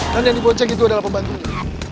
kan yang dim basically as pembantungnya